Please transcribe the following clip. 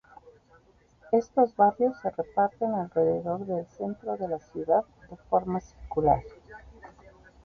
Estos barrios se reparten alrededor del centro de la ciudad, de forma circular.